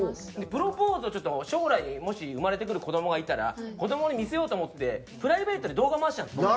プロポーズをちょっと将来もし生まれてくる子どもがいたら子どもに見せようと思ってプライベートで動画を回してたんです。